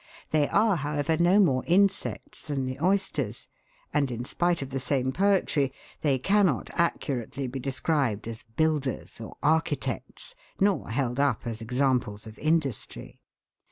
They are, however, no more "insects" than the oysters; and in spite of the same poetry, they cannot accurately be described as "builders" or "architects," nor held up as examples of industry.